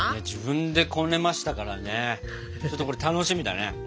自分でこねましたからねちょっとこれ楽しみだね。